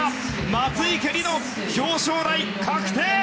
松生理乃、表彰台確定！